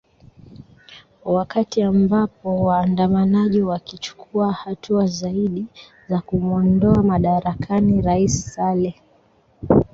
wakati ambapo waandamanaji wakichukua hatua zaidi za kumwondoa madarakani rais sale